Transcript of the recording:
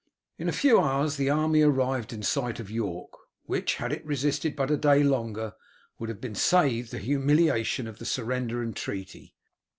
In a few hours the army arrived in sight of York, which, had it resisted but a day longer, would have been saved the humiliation of the surrender and treaty.